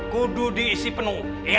kudu diisi penuh